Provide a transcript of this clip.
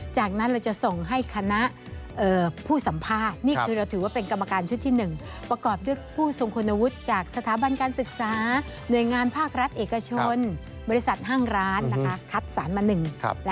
จากนั้นเราจะส่งให้คณะผู้สัมภาษณ์นี่คือเราถือว่าเป็นกรรมการชุดที่๑ประกอบด้วยผู้ทรงคุณวุฒิจากสถาบันการศึกษาหน่วยงานภาครัฐเอกชนบริษัทห้างร้านคัดสารมาหนึ่ง